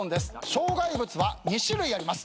障害物は２種類あります。